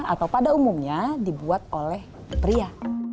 atau pada umumnya dibuat oleh pria